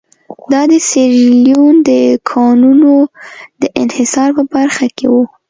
دا د سیریلیون د کانونو د انحصار په برخه کې وو.